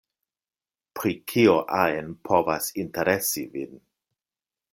Pri kio ajn povas interesi vin.